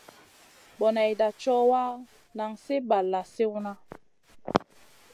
Boneyda co wa, nan sli balla sliwna.